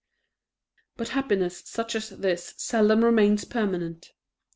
But happiness such as this seldom remains permanent.